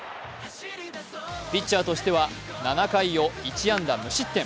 ピッチャーとしては７回を１安打無失点。